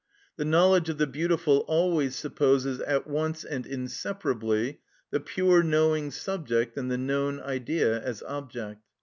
The knowledge of the beautiful always supposes at once and inseparably the pure knowing subject and the known Idea as object.